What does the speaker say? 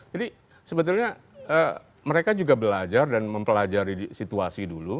jadi sebetulnya mereka juga belajar dan mempelajari situasi dulu